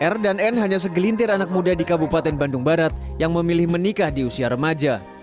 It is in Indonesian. r dan n hanya segelintir anak muda di kabupaten bandung barat yang memilih menikah di usia remaja